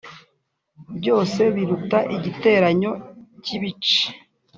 byose biruta igiteranyo cyibice